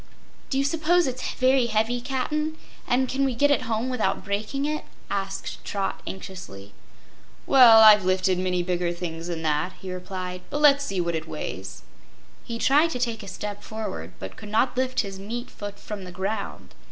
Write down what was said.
"Do you 'spose it's very heavy, Cap'n? And can we get it home without breaking it?" asked Trot anxiously. "Well, I've lifted many bigger things than that," he replied; "but let's see what it weighs." He tried to take a step forward, but could not lift his meat foot from the ground.